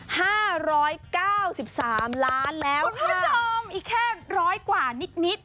ห้าร้อยเก้าสิบสามล้านแล้วค่ะคุณผู้ชมอีกแค่ร้อยกว่านิดนิด